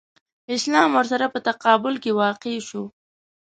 اسلام ورسره په تقابل کې واقع شو.